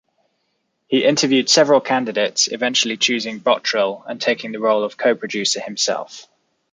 He interviewed several candidates, eventually choosing Bottrill and taking the role of co-producer himself.